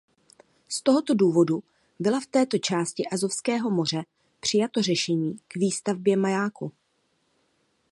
Z tohoto důvodu byla v této části Azovského moře přijato řešení k výstavbě majáku.